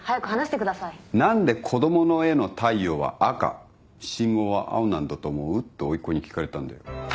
「何で子供の絵の太陽は赤信号は青なんだと思う？」っておいっ子に聞かれたんだよ。